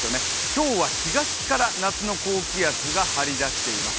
今日は東から夏の高気圧が張り出しています。